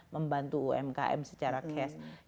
membantu umkm secara cash